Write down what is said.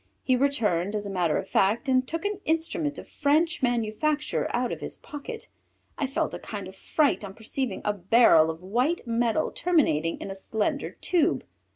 He returned, as a matter of fact, and took an instrument of French manufacture out of his pocket. I felt a kind of fright on perceiving a barrel of white metal terminating in a slender tube.